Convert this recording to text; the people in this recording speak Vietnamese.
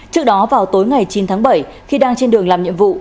trước đó vào tối ngày chín tháng bảy khi đang trên đường làm nhiệm vụ